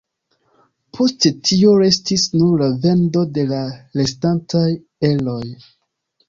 Post tio restis nur la vendo de la restantaj eroj.